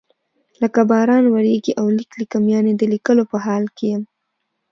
لکه باران وریږي او لیک لیکم یعنی د لیکلو په حال کې یم.